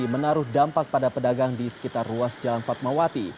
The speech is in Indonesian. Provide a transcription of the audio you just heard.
menaruh dampak pada pedagang di sekitar ruas jalan fatmawati